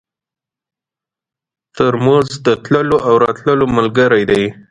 ترموز د تللو او راتلو ملګری دی.